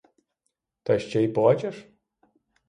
Та ще й плачеш?